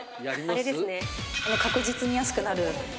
あれですね。